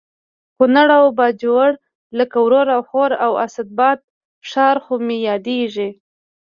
کونړ او باجوړ لکه ورور او خور او اسداباد ښار خو مې یادېږي